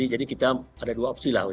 jadi kita ada dua opsi lah